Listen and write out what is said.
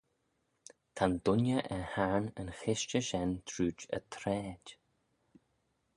Ta'n dooinney er hayrn yn chishtey shen trooid y traid!